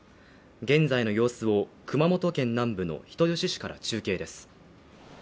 現在の様子を、熊本県南部の人吉市から中継です。